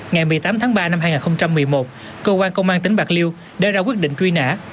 ngày một mươi tám tháng ba năm hai nghìn một mươi một cơ quan công an tỉnh bạc liêu đã ra quyết định truy nã